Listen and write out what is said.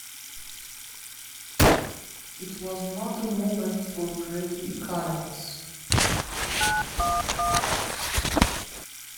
It was not a moment for petty economies.